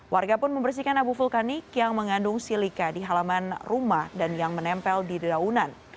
warga pun membersihkan abu vulkanik yang mengandung silika di halaman rumah dan yang menempel di deraunan